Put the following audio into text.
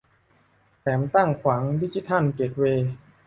แถมตั้งขวางดิจิทัลเกตเวย์